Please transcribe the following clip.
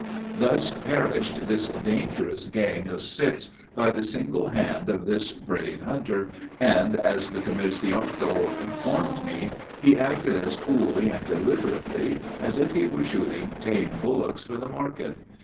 Thus perished this dangerous gang of six, by the single hand of this brave hunter, and, as the "commercianto" informed me, he acted as coolly and deliberately as if he were shooting tame bullocks for the market.